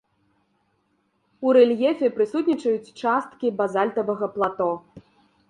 У рэльефе прысутнічаюць часткі базальтавага плато.